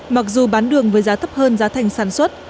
mặc dù bán đường với giá thấp hơn giá thành sản xuất